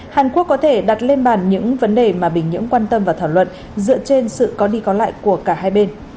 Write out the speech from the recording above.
hàn quốc có thể đặt lên bàn những vấn đề mà bình nhưỡng quan tâm và thảo luận dựa trên sự có đi có lại của cả hai bên